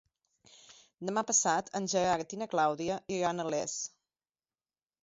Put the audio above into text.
Demà passat en Gerard i na Clàudia iran a Les.